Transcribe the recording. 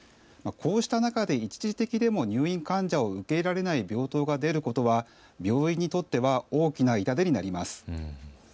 こうした中で一時的でも入院患者を受け入れられない病棟が出ることは病院にとっては大きな痛手になります。